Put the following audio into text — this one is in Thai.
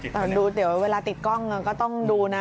แต่ดูเดี๋ยวเวลาติดกล้องก็ต้องดูนะ